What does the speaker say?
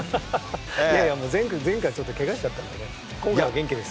いやいやもう、前回けがしちゃったんで、今回は元気です。